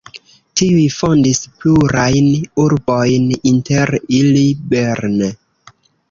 Tiuj fondis plurajn urbojn, inter ili Bern.